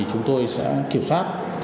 chúng tôi sẽ kiểm soát